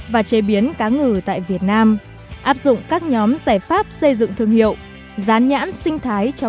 và chế biến các nền kinh tế